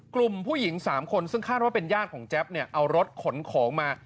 กลุ่มผู้หญิง๓คนซึ่งคาดว่าเป็นญาติของแจ๊บเนี่ยเอารถขนของมา